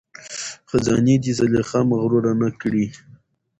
خزانې دي زلیخا مغروره نه کړي